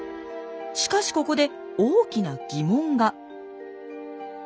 しかしここで大きな疑問が。